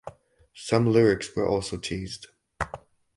Some lyrics were also teased.